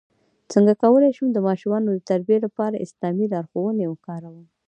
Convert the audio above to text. څنګه کولی شم د ماشومانو د تربیې لپاره اسلامي لارښوونې وکاروم